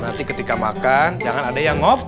nanti ketika makan jangan ada yang ngop